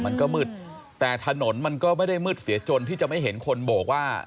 มันก็มืดแต่ถนนมันก็ไม่ได้มืดเสียจนที่จะไม่เห็นคนโบกว่า